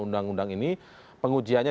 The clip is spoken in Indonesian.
undang undang ini pengujiannya